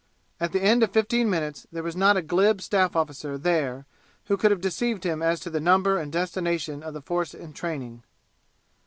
At the end of fifteen minutes there was not a glib staff officer there who could have deceived him as to the numbers and destination of the force entraining.